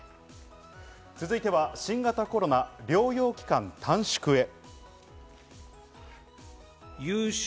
続いては新型コロナ、療養期間短縮へ。